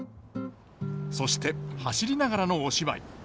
そして走りながらのお芝居。